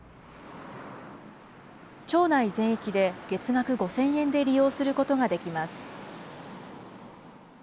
町内全域で月額５０００円で利用することができます。